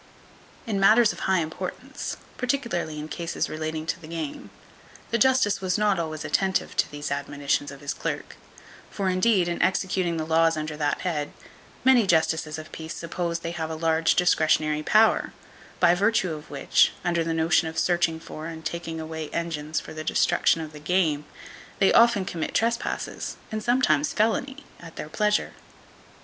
In matters of high importance, particularly in cases relating to the game, the justice was not always attentive to these admonitions of his clerk; for, indeed, in executing the laws under that head, many justices of peace suppose they have a large discretionary power, by virtue of which, under the notion of searching for and taking away engines for the destruction of the game, they often commit trespasses, and sometimes felony, at their pleasure.